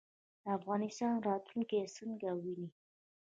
د افغانستان راتلونکی څنګه وینئ؟